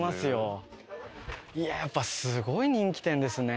いややっぱすごい人気店ですね。